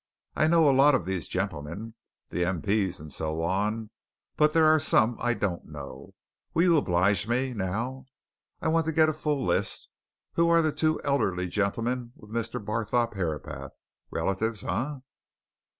I know a lot of these gentlemen the M.P.'s and so on but there are some I don't know. Will you oblige me, now? I want to get a full list. Who are the two elderly gentlemen with Mr. Barthorpe Herapath relatives, eh?"